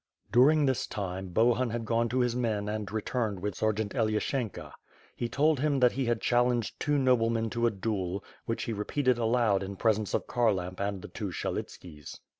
During this time, Bohun had gone to his men and had re turned with Sergeant Elyashenka. He told him that he had challenged two noblemen to a duel, which he repeated aloud in presence of Kharlamp and, the two Syelitskis.